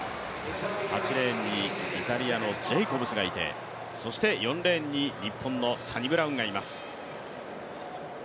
８レーンにイタリアのジェイコブスがいて、そして４レーンに日本のサニブラウンがいます。